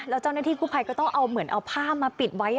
แล้วเจ้าหน้าที่กู้ภัยก็ต้องเอาเหมือนเอาผ้ามาปิดไว้